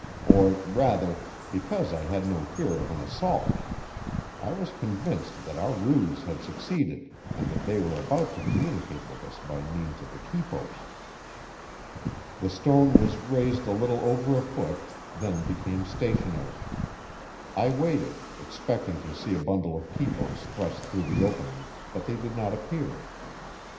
Or rather, because I had no fear of an assault I was convinced that our ruse had succeeded, and that they were about to communicate with us by means of the quipos. The stone was raised a little over a foot, then became stationary. I waited, expecting to see a bundle of quipos thrust through the opening, but they did not appear.